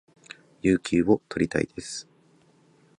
有給を取りたいです